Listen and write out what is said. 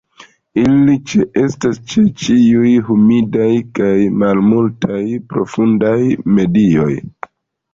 Ili ĉeestas ĉe ĉiuj humidaj kaj malmulte profundaj medioj.